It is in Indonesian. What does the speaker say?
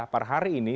per hari ini